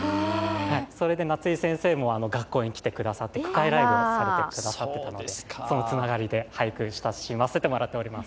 それで夏井先生も学校に来てくださって、句会ライブをされてそのつながりで俳句、親しませていただいております。